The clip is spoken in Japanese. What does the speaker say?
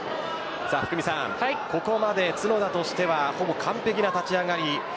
ここまで角田としてはほぼ完璧な立ち上がり。